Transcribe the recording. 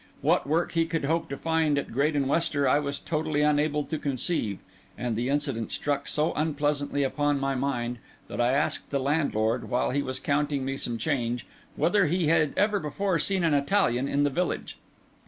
What work he could hope to find at Graden Wester, I was totally unable to conceive; and the incident struck so unpleasantly upon my mind, that I asked the landlord, while he was counting me some change, whether he had ever before seen an Italian in the village.